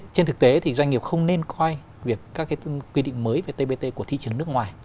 trên thực tế thì doanh nghiệp không nên coi việc các cái quy định mới về tbt của thị trường nước ngoài